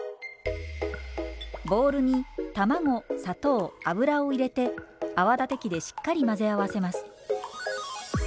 ボウルに卵砂糖油を入れて泡立て器でしっかり混ぜ合わせます。